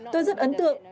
tôi rất ấn tượng